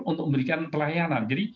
untuk memberikan pelayanan jadi